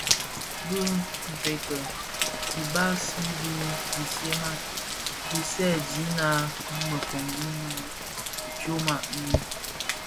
Bi mpërkë dibasi di bisèèdina bi mëfombi më bi tyoma di.